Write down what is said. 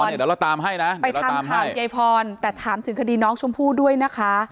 เดี๋ยวเราตามให้นะไปทำข่าวยายพรแต่ถามถึงคดีน้องชมพู่ด้วยนะคะ